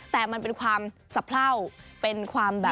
แต่มันเป็นความสะเพล่าเป็นความแบบ